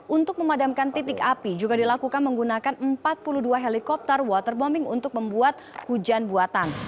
untuk memadamkan titik api juga dilakukan menggunakan empat puluh dua helikopter waterbombing untuk membuat hujan buatan